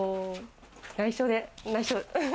内緒で。